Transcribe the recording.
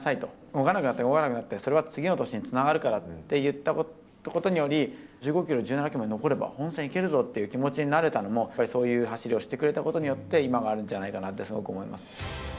動かなくなったら動かなくなったで、それは次の年につながるからって言ったことにより、１５キロ、１７キロまで残れば、本選いけるぞという気持ちになれたのも、やっぱりそういう走りをしてくれたことによって今があるんじゃないかなってすごく思います。